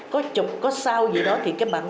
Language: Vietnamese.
có chục có sao gì đó thì cái bàn